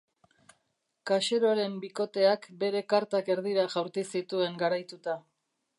Kaxeroren bikoteak bere kartak erdira jaurti zituen garaituta.